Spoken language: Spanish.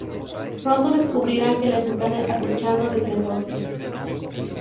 Pronto descubrirán que les están acechando desde el bosque.